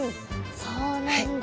そうなんだ。